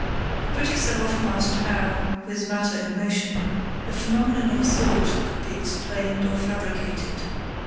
Critics have often asked how, with matter in motion, a phenomenon of thought could be explained or fabricated.